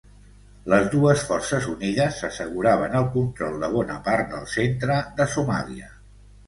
Les dues forces unides s'asseguraven el control de bona part del centre de Somàlia.